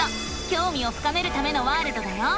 きょうみを深めるためのワールドだよ！